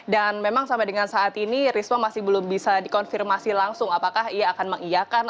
dan memang sampai dengan saat ini risma masih belum bisa dikonfirmasi langsung apakah ia akan mengiakan